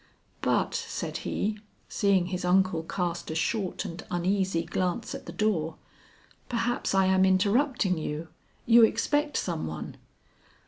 But," said he, seeing his uncle cast a short and uneasy glance at the door, "perhaps I am interrupting you. You expect some one!"